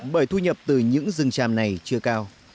bởi thu nhập từ những rừng tràm này chưa cao